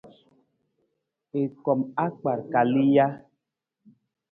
I kom akpar kali ja?